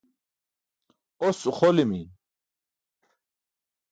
Os uxolimi.